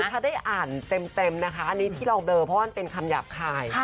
ถ้าได้อ่านเต็มนะคะอันนี้ที่เราเบลอเพราะว่ามันเป็นคำหยาบคาย